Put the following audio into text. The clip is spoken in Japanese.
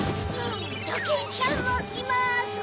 ドキンちゃんもいます。